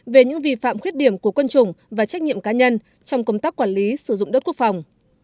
về những vi phạm khuyết điểm của quân chủng và trách nhiệm cá nhân trong công tác quản lý sử dụng đất quốc phòng